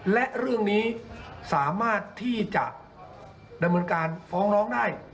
และเรื่องนี้สามารถที่จะดำเนินการฟ้องร้องได้